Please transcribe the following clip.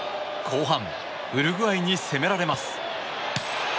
後半、ウルグアイに攻められます。